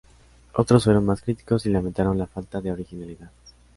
Otros fueron más críticos y lamentaron la falta de originalidad.